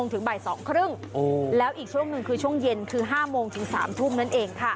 ถึงบ่าย๒๓๐แล้วอีกช่วงหนึ่งคือช่วงเย็นคือ๕โมงถึง๓ทุ่มนั่นเองค่ะ